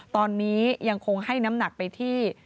ตอนนี้ยังคงให้น้ำหนักไปที่